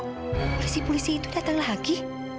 polisi polisi itu datang lagi